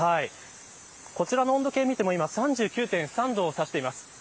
こちらの温度計を見ても今３９．３度を指しています。